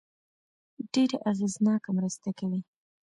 ډېره اغېزناکه مرسته کوي.